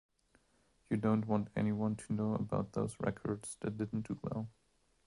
You don't want anyone to know about those records that didn't do well.